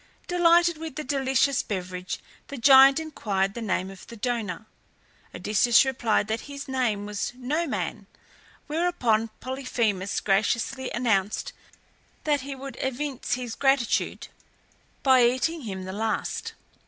Delighted with the delicious beverage the giant inquired the name of the donor. Odysseus replied that his name was Noman, whereupon Polyphemus, graciously announced that he would evince his gratitude by eating him the last.